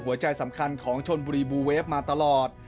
หัวใจสำคัญของชนบุรีบูเวฟมาตลอด